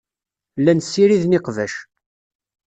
Llan ssiriden iqbac.